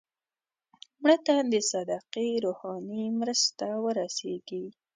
مړه ته د صدقې روحاني مرسته ورسېږي